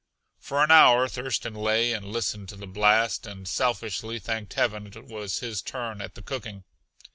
For an hour Thurston lay and listened to the blast and selfishly thanked heaven it was his turn at the cooking.